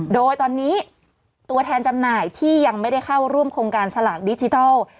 โดยตอนนี้ตัวแทนจำหน่ายที่ยังไม่ได้เข้าร่วมโครงการสลากดิจิทัล